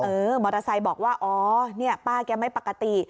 มอเตอร์ไซค์บอกว่าอ๋อเนี่ยป้าแกไม่ปกติ